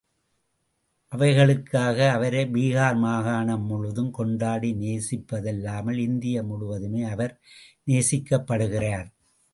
அவைகளுக்காக அவரை பீகார் மாகாணம் முழுவதும் கொண்டாடி நேசிப்பதல்லாமல், இந்தியா முழுவதுமே அவர் நேசிக்கப்படுகிறார்.